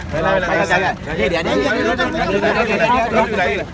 เดี๋ยว